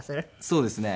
そうですね。